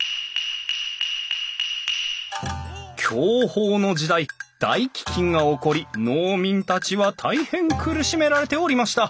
享保の時代大飢饉が起こり農民たちは大変苦しめられておりました。